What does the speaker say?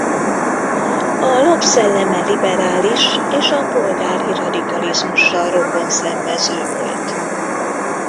A lap szelleme liberális és a polgári radikalizmussal rokonszenvező volt.